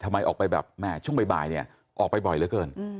ทำไมออกไปแบบแม่ช่วงบ่ายออกไปบ่อยเรื่องเกิน